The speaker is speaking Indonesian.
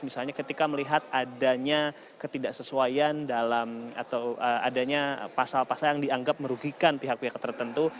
misalnya ketika melihat adanya ketidaksesuaian dalam atau adanya pasal pasal yang dianggap merugikan pihak pihak tertentu